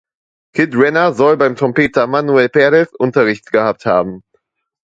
Kid Rena soll beim Trompeter Manuel Perez Unterricht gehabt haben.